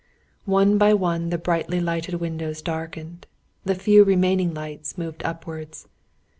One by one the brightly lighted windows darkened; the few remaining lights moved upwards.